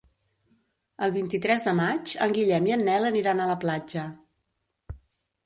El vint-i-tres de maig en Guillem i en Nel aniran a la platja.